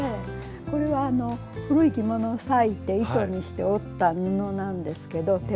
これは古い着物を裂いて糸にして織った布なんですけど手織りの。